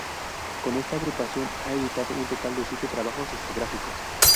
Con esta agrupación, ha editado un total de siete trabajos discográficos.